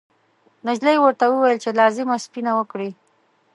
نجلۍ ورته وویل چې لازمه سپینه ورکړي.